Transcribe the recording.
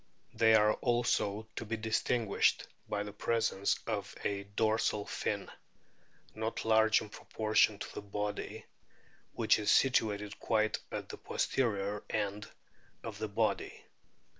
o o They are also to be distinguished by the presence of a dorsal fin not large in proportion to the body which is situated quite at the posterior end of the body.